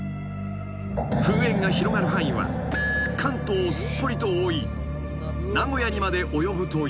［噴煙が広がる範囲は関東をすっぽりと覆い名古屋にまで及ぶという］